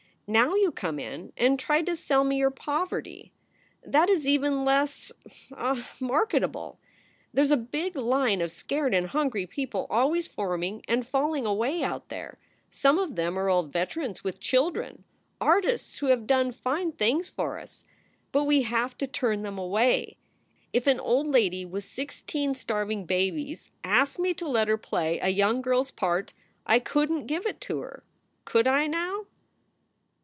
Now you come in and try to sell me your poverty. That is even less ah, marketable. There s a big line of scared and hungry people always forming and falling away out there. Some of them are old veterans with chil dren, artists who have done fine things for us. But we have to turn them away. If an old lady with sixteen starving babies asked me to let her play a young girl s part I couldn t give it to her, could I, now?"